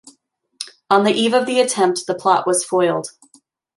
On the eve of the attempt, the plot was foiled.